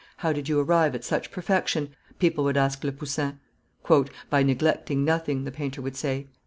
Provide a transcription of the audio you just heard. "How did you arrive at such perfection?" people would ask Le Poussin. "By neglecting nothing," the painter would reply.